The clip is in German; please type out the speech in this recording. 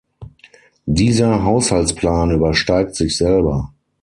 Dieser Haushaltsplan übersteigt sich selber.